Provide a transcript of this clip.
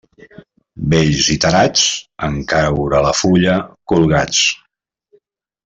Vells i tarats, en caure la fulla, colgats.